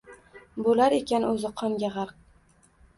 Boʻlar ekan oʻzi qonga gʻarq.